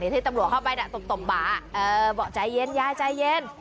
ที่ตำรวจเข้าไปตบบาบอกใจเย็นยายใจเย็น